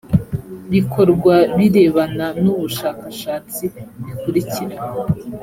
bikorwa birebana n ubushakashatsi bikurikira